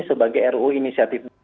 sebagai ruu inisiatif